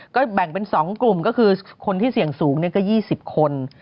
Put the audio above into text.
ก็แบ่งเป็น๒กลุ่มก็คือคนที่เสี่ยงสูงก็๒๐คน